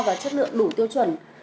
và chất lượng đủ tiêu chuẩn